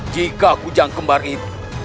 jika kujang kembar itu